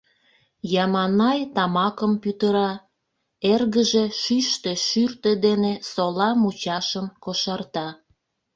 Яманай тамакым пӱтыра, эргыже шӱштӧ шӱртӧ дене сола мучашым кошарта.